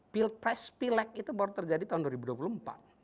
pilpres pilek itu baru terjadi tahun dua ribu dua puluh empat